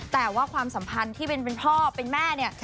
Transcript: แต่ว่าความสัมพันธ์ที่เป็นพ่อเป็นแม่เนี่ย